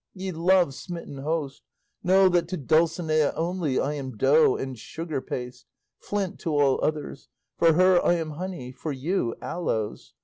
Ye love smitten host, know that to Dulcinea only I am dough and sugar paste, flint to all others; for her I am honey, for you aloes.